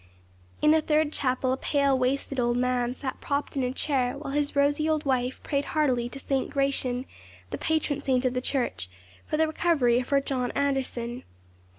In a third chapel a pale, wasted old man sat propped in a chair, while his rosy old wife prayed heartily to St. Gratien, the patron saint of the church, for the recovery of her John Anderson.